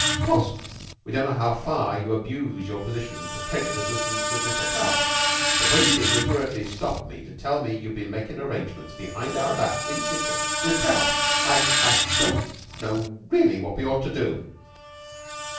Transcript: Of course we don't know how far you abuse your position to prejudice us with Mr. Prout; but when you deliberately stop me to tell me you've been makin' arrangements behind our back in secret with Prout I I don't know really what we ought to do."